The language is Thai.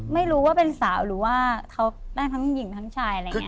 ไม่รู้ว่าเป็นสาวหรือว่าเขาแม่ทั้งหญิงทั้งชายอะไรอย่างนี้